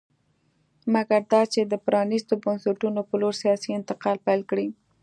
مګر دا چې د پرانېستو بنسټونو په لور سیاسي انتقال پیل کړي